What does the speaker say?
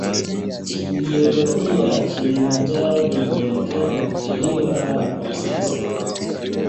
Kijiolojia Kilimanjaro ni volkeno iliyolala kwa sasa